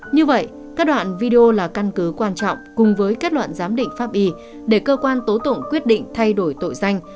như vậy các đoạn video là căn cứ quan trọng cùng với kết luận giám định pháp y để cơ quan tố tụng quyết định thay đổi tội danh